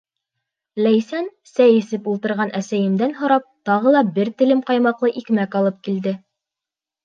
Ләйсән, сәй эсеп ултырған әсәйемдән һорап, тағы ла бер телем ҡаймаҡлы икмәк алып килде.